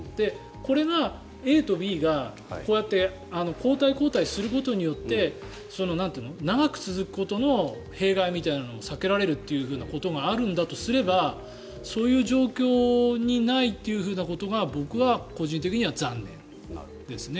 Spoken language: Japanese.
これがＡとＢが交代交代することで長く続くことの弊害みたいなのも避けられるということがあるんだとすればそういう状況にないっていうことが僕は個人的には残念ですね。